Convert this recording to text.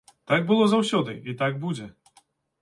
Так было заўсёды і так будзе.